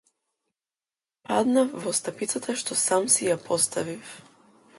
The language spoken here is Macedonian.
Паднав во стапицата што сам си ја поставив.